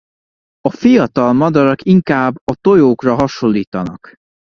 A fiatal madarak inkább a tojókra hasonlítanak.